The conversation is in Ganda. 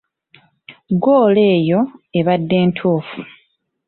Ggoolo eyo ebadde ntuufu.